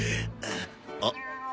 あっ。